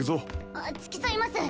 あっ付き添います！